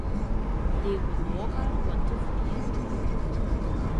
Leonora konnte fliehen.